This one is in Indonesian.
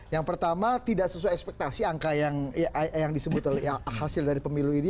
yang pertama tidak sesuai ekspektasi angka yang disebut hasil dari pemilu ini